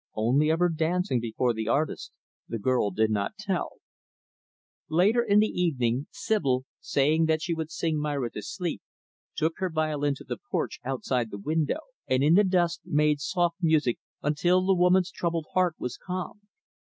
Only of her dancing before the artist, the girl did not tell. Later in the evening, Sibyl saying that she would sing Myra to sleep took her violin to the porch, outside the window; and in the dusk made soft music until the woman's troubled heart was calmed.